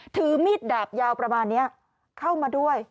ถือมีดดาบยาวประมาณนี้เข้ามาด้วย